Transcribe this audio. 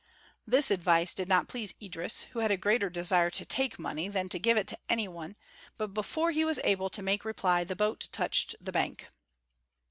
This advice did not please Idris who had a greater desire to take money than to give it to any one, but before he was able to make reply the boat touched the bank.